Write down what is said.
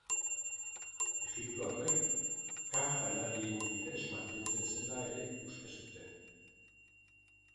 Egiptoarrek, ka janarien bidez mantentzen zela ere uste zuten.